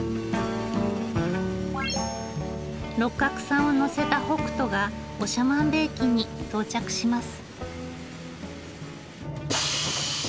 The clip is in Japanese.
六角さんを乗せた北斗が長万部駅に到着します。